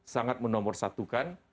sangat menomor satukan